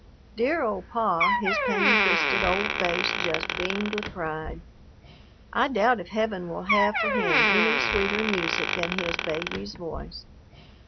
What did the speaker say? Dear old "Pa," his pain twisted old face just beamed with pride. I doubt if heaven will have for him any sweeter music than his "baby's" voice.